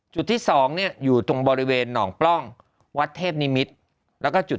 จุดที่สองเนี่ยอยู่ตรงบริเวณหนองปล้องวัดเทพนิมิตรแล้วก็จุด